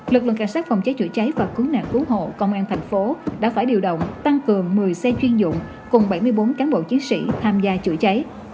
lực lượng cảnh sát phòng cháy chữa cháy và cứu nạn cứu hộ công an thành phố đã phải điều động tăng cường một mươi xe chuyên dụng cùng bảy mươi bốn cán bộ chiến sĩ tham gia chữa cháy